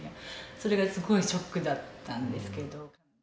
それがすごいショックだったんですけど。